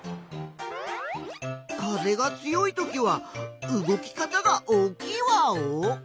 風が強いときは動き方が大きいワオ？